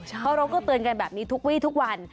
นะโนครูก็เตือนกันแบบนี้ทุกวีทุกวัน